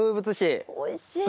おいしい。